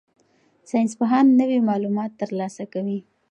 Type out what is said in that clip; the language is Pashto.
ساینسپوهان نوي معلومات ترلاسه کوي.